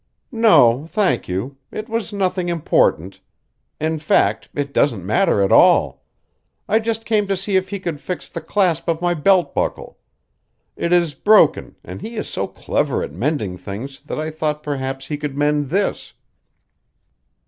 "No, thank you. It was nothing important. In fact, it doesn't matter at all. I just came to see if he could fix the clasp of my belt buckle. It is broken, and he is so clever at mending things that I thought perhaps he could mend this."